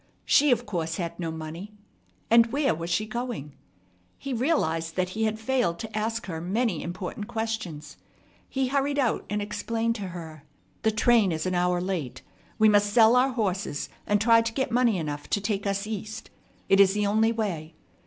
She of course had no money. And where was she going? He realized that he had failed to ask her many important questions. He hurried out, and explained to her. "The train is an hour late. We must sell our horses, and try to get money enough to take us East. It is the only way.